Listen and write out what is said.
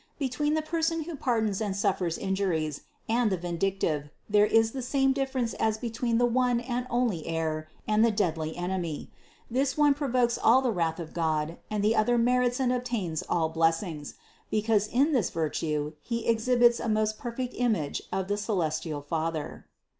Between the person who pardons and suffers injuries, and the vindictive, there is the same difference as between the one and only heir and the deadly enemy; this one provokes all the wrath of God and the other merits and obtains all blessings; because in this virtue he exhibits a most perfect image of the celestial Father.